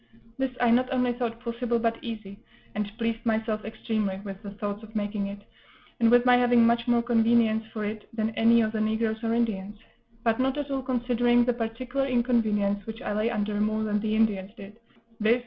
This I not only thought possible, but easy, and pleased myself extremely with the thoughts of making it, and with my having much more convenience for it than any of the negroes or Indians; but not at all considering the particular inconvenience which I lay under more than the Indians did, viz.